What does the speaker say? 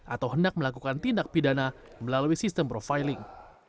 atau hendak melakukan tindak pidana melalui sistem profiling